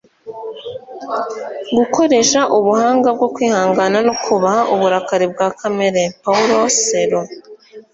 gukoresha ubuhanga bwo kwihangana no kubaha uburakari bwa kamere. - paulo coelho